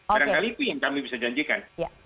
barangkali itu yang kami bisa janjikan